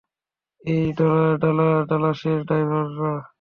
এই ডালাসের ড্রাইভাররা!